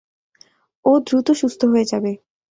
ও দ্রুত সুস্থ হয়ে যাবে।